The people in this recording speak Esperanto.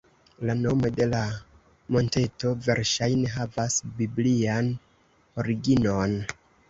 La nomo de la monteto verŝajne havas biblian originon.